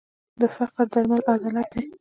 د فقر درمل عدالت دی.